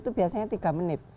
itu biasanya tiga menit